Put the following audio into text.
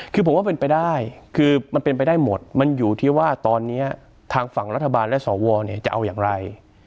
คือผมว่าเป็นไปได้คือมันเป็นไปได้หมดมันอยู่ที่ว่าตอนนี้ทางฝั่งรัฐบาลและสวเนี่ยจะเอาอย่างไร